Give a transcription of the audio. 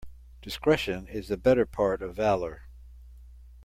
Discretion is the better part of valour.